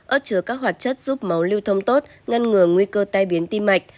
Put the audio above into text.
ớt chứa các hoạt chất giúp máu lưu thông tốt ngăn ngừa nguy cơ tai biến tim mạch